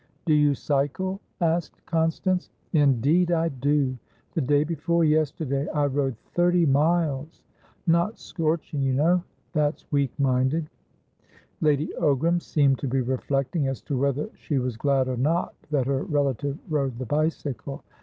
"Do you cycle?" asked Constance. "Indeed I do! The day before yesterday I rode thirty miles. Not scorching, you know; that's weak minded." Lady Ogram seemed to be reflecting as to whether she was glad or not that her relative rode the bicycle.